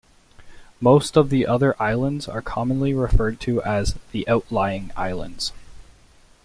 Most of the other islands are commonly referred to as the "Outlying Islands".